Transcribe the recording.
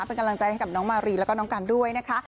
เปลี่ยนกำลังใจให้น้องมารีและก็น้องกัลด้วยนะคะ